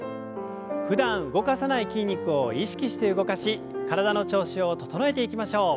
ふだん動かさない筋肉を意識して動かし体の調子を整えていきましょう。